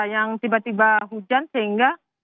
yang tiba tiba hujan sehingga